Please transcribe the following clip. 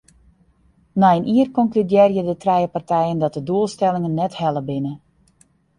Nei in jier konkludearje de trije partijen dat de doelstellingen net helle binne.